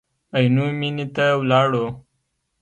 عینو مېنې ته ولاړو.